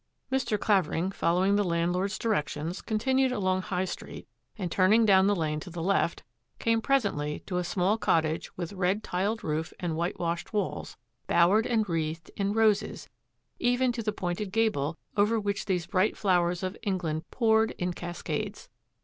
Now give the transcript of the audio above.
Mr. Clavering, following the landlord's direc tions, continued along High Street, and turning down the lane to the left, came presently to a small cottage with red tiled roof and white washed walls, bowered and wreathed in roses, even to the pointed gable over which these bright flowers of England poured in cascades.